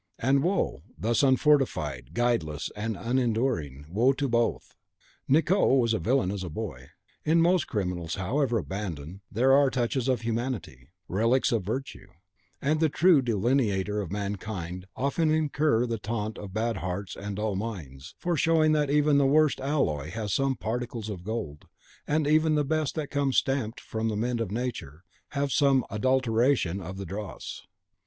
And woe, thus unfortified, guideless, and unenduring, woe to both! Nicot was a villain as a boy. In most criminals, however abandoned, there are touches of humanity, relics of virtue; and the true delineator of mankind often incurs the taunt of bad hearts and dull minds, for showing that even the worst alloy has some particles of gold, and even the best that come stamped from the mint of Nature have some adulteration of the dross.